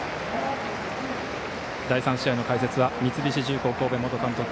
第３試合の解説は三菱重工神戸元監督